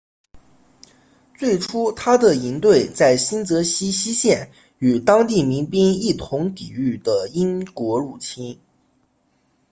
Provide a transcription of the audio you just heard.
最初他的营队在新泽西西线与当地民兵一同抵御的英国入侵。